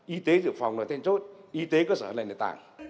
y tế dự phòng là then chốt y tế cơ sở là nền tảng